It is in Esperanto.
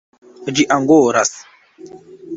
Ĝi angoras.